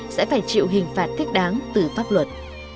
sẽ phải chịu hình phạt thích đáng từ pháp luật